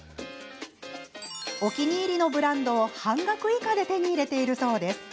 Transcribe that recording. お気に入りのブランドを半額以下で手に入れているそうです。